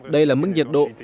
đây là mức nhiệt độ